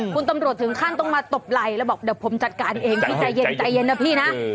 คุณตำรวจถึงขั้นต้องมาตบไหล่แล้วบอกเดี๋ยวผมจัดการเองพี่ใจเย็นใจเย็นนะพี่นะ